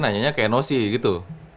nanyanya ke nosi gitu